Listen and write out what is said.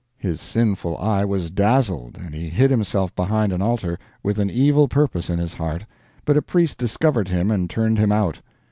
His sinful eye was dazzled and he hid himself behind an altar, with an evil purpose in his heart, but a priest discovered him and turned him out.